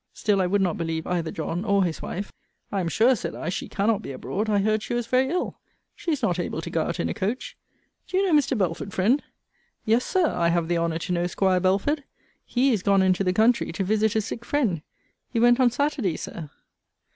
Still I would not believe either John or his wife. I am sure, said I, she cannot be abroad. I heard she was very ill she is not able to go out in a coach. Do you know Mr. Belford, friend? Yes, Sir; I have the honour to know 'Squire Belford. He is gone into the country to visit a sick friend. He went on Saturday, Sir.